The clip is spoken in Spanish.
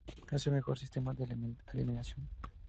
Es el mejor sistema de eliminación.